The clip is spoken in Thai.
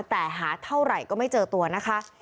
แต่หาเท่าไหร่ก็ไม่เจอตัวนะคะ